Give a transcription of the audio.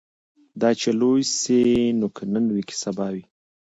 دا چي لوی سي نو که نن وي که سبا وي